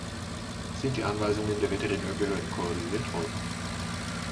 Sind die Anweisungen der Veterinärbehörden koordiniert worden?